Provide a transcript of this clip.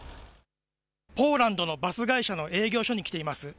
ポーランドのバス会社の営業所に来ています。